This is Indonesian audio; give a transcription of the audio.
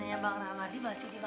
ini orang keras juga ya